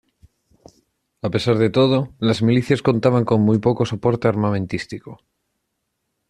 A pesar de todo, las Milicias contaban con muy poco soporte armamentístico.